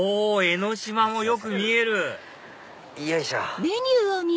江の島もよく見えるよいしょ。